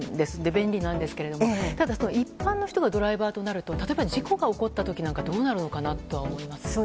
便利なんですけれども一般の人がドライバーとなると例えば事故が起こった時はどうなるのかなと思います。